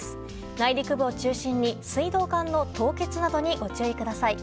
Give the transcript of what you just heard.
内陸部を中心に水道管の凍結などにご注意ください。